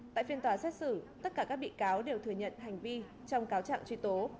tại phiên tòa xét xử tất cả các bị cáo đều thừa nhận hành vi trong cáo trạng truy tố